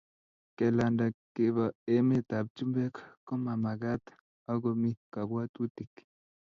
Kelanda kebo emet ab chumbek ko mamakat ok komi kabwatutik